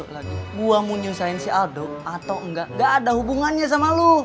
lagi gua mau nyusahin si aldo atau enggak gak ada hubungannya sama lo